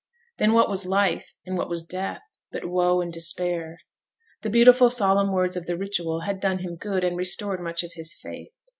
Then what was life, and what was death, but woe and despair? The beautiful solemn words of the ritual had done him good, and restored much of his faith.